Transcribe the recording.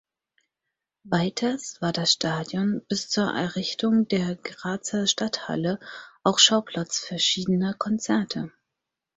Weiters war das Stadion bis zur Errichtung der Grazer Stadthalle auch Schauplatz verschiedener Konzerte.